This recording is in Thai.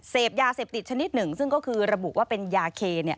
เสพยาเสพติดชนิดหนึ่งซึ่งก็คือระบุว่าเป็นยาเค